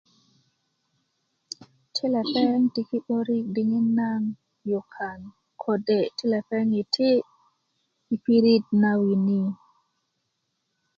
ti lepeŋ tiki 'börik diŋit na yukan kode ti lepeŋ yiti yi pirit na wini